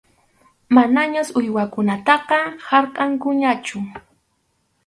Manañas uywakunataqa harkʼankuñachu.